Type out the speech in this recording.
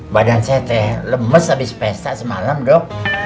badan sete lemes abis pesta semalam dok